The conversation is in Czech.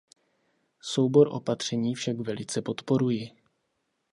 Soubor opatření však velice podporuji.